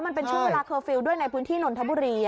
มันเป็นช่วงเวลาเคอร์ฟิลล์ด้วยในพื้นที่นนทบุรี